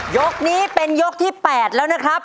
ยกนี้เป็นยกที่๘แล้วนะครับ